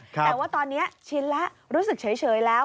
แต่ว่าตอนนี้ชินแล้วรู้สึกเฉยแล้ว